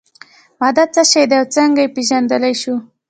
ماده څه شی ده او څنګه یې پیژندلی شو.